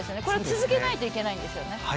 これ続けないといけないんですよね？